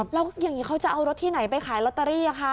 แล้วอย่างนี้เขาจะเอารถที่ไหนไปขายลอตเตอรี่คะ